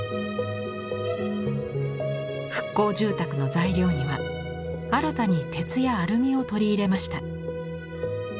復興住宅の材料には新たに鉄やアルミを取り入れました。